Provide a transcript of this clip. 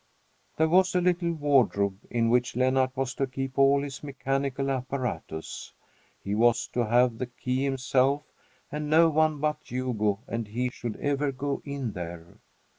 There was a little wardrobe, in which Lennart was to keep all his mechanical apparatus. He was to have the key himself, and no one but Hugo and he should ever go in there.